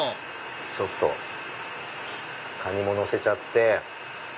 ちょっとカニものせちゃって。